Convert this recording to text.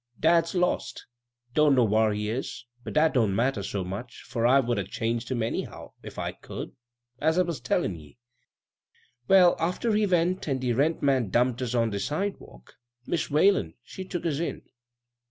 Dad's lost Don't know whar he is ; but dat don't matter so much, fur I would 'a' changed him, Einyhow, if I could, as I was a tellin' ye. Well, after he went, an' de rent man dumped us on de sidewalk, Mis' Whalen, she tooked us in.